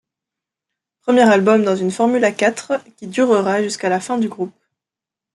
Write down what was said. Premier album dans une formule à quatre qui durera jusqu'à la fin du groupe.